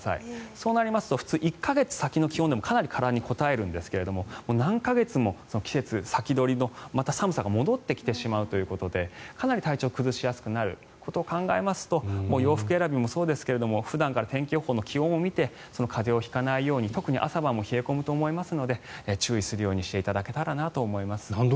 そうなりますと普通、１か月先の気温でもかなり体にこたえるんですが何か月も季節先取りの寒さが戻ってきてしまうということでかなり体調を崩しやすくなるということを考えますと洋服選びもそうですが普段から天気予報の気温を見て風邪を引かないように特に朝晩も冷え込むと思うので注意するようにしていただけたらなと思います。